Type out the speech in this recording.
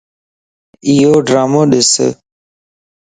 ايو ڊرامو ڏس